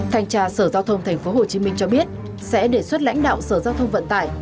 thành trà sở giao thông tp hcm cho biết sẽ đề xuất lãnh đạo sở giao thông vận tải